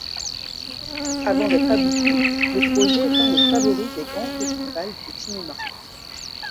Avant d'être abouti, le projet est un des favoris des grands festivals de cinéma.